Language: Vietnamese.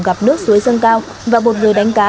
gặp nước suối dâng cao và một người đánh cá